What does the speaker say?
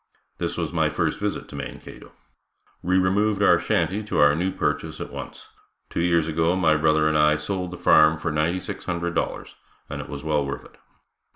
This was my first visit to Mankato. We removed our shanty to our new purchase at once. Two years ago my brother and I sold the farm for $9600, and it was well worth it.